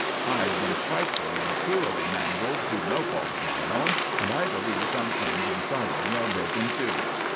"I've been frightfully and cruelly mangled through no fault of my own; and I believe some things inside me are broken too."